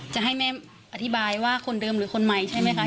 จะให้แม่อธิบายว่าคนเดิมหรือคนใหม่ใช่ไหมคะ